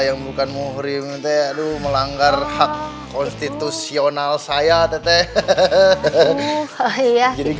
yang bukan muhyiddin teh melanggar hak konstitusional saya teteh hahaha iya jadi